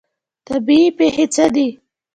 طبیعي پیښې څه دي؟